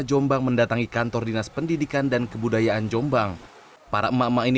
jombang mendatangi kantor dinas pendidikan dan kebudayaan jombang para emak emak ini